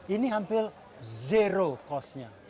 ini hampir zero kosnya